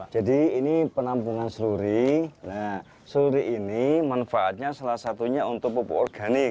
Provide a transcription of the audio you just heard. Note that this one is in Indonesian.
jadi ini penampungan seluri seluri ini manfaatnya salah satunya untuk pupuk organik